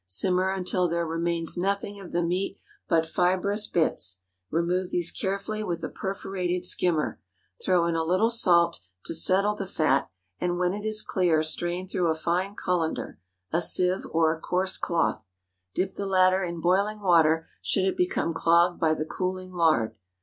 Simmer until there remains nothing of the meat but fibrous bits. Remove these carefully with a perforated skimmer; throw in a little salt, to settle the fat, and when it is clear strain through a fine cullender, a sieve, or a coarse cloth. Dip the latter in boiling water, should it become clogged by the cooling lard.